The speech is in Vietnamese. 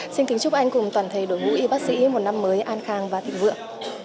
xin kính chúc anh cùng toàn thể đội ngũ y bác sĩ một năm mới an khang và thịnh vượng